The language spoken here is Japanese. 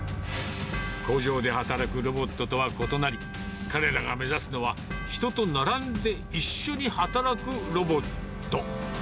工場で働くロボットとは異なり、彼らが目指すのは、人と並んで一緒に働くロボット。